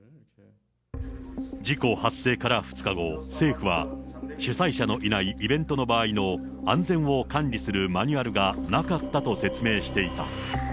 事故発生から２日後、政府は主催者のいないイベントの場合の安全を管理するマニュアルがなかったと説明していた。